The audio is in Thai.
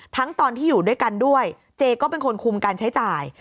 ตอนที่อยู่ด้วยกันด้วยเจก็เป็นคนคุมการใช้จ่าย